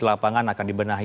lapangan akan dibenahi